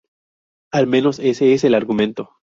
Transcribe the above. Al menos, ese es el argumento.